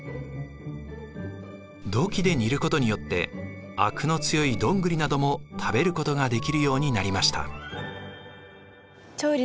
土器で煮ることによってあくの強いドングリなども食べることができるようになりました。